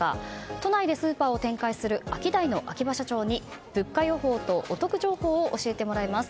都内でスーパーを展開するアキダイの秋葉社長に物価予報とお得情報を教えてもらいます。